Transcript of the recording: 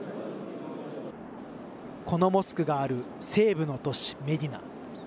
このモスクがある西部の都市メディナ。